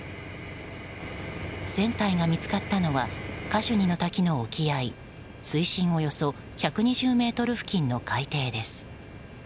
船体が見つかったのはカシュニの滝の沖合水深およそ１２０ｍ付近の海底です。